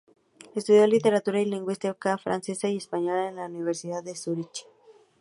Estudió literatura y lingüística francesa y española, en la Universidad de Zúrich.